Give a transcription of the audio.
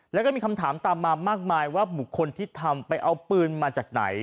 แล้วก็มีคำถามตามมามากมายว่าบุคคลที่ทำไปเอาปืนมาจากไหน